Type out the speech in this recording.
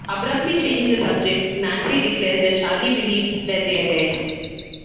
Abruptly changing the subject, Nancy declares that Charlie believes that they are dead.